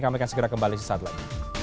kami akan segera kembali sesaat lagi